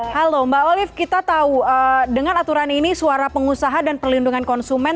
halo mbak olive kita tahu dengan aturan ini suara pengusaha dan perlindungan konsumen